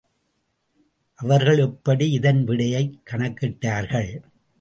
அவர்கள் எப்படி இதன் விடையைக் கணக்கிட்டார்கள்?